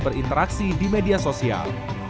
berinteraksi di media sosial